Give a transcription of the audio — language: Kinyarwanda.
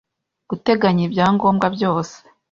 guteganya ibyangombwa byose